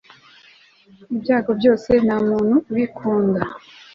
ibyago rwose ntamuntu ubikunda